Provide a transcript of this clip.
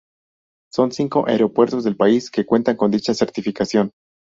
Son cinco aeropuertos del país que cuentan con dicha certificación.